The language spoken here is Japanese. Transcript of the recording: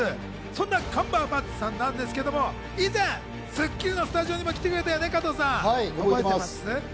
そんなカンバーバッチさんなんですけれども以前、『スッキリ』のスタジオにも来てくれよたね、加藤さん。覚えてます。